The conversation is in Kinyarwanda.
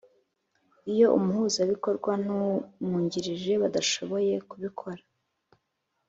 Iyo Umuhuzabikorwa n Umwungirije badashoboye kubikora